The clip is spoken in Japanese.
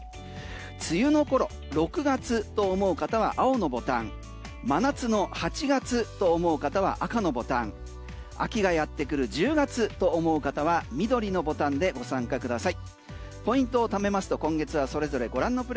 梅雨の頃、６月と思う方は青のボタン真夏の８月と思う方は赤のボタン秋がやってくる１０月と思う方は緑のボタンでご参加ください。